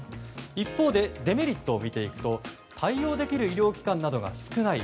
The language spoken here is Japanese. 一方、デメリットを見ていくと対応できる医療機関などが少ない。